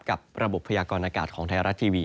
กับระบบพยากรณากาศของไทยรัฐทีวี